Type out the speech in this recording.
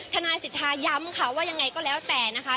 ทนายสิทธาย้ำค่ะว่ายังไงก็แล้วแต่นะคะ